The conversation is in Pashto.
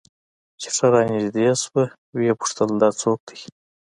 چې ښه رانژدې سوه ويې پوښتل دا څوک دى.